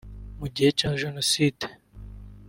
Mu gihe cya Jenoside